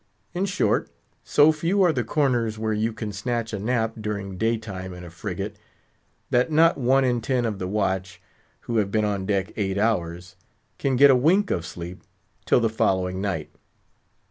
In short, so few are the corners where you can snatch a nap during daytime in a frigate, that not one in ten of the watch, who have been on deck eight hours, can get a wink of sleep till the following night.